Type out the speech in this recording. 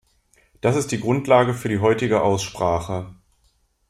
Das ist die Grundlage für die heutige Aussprache.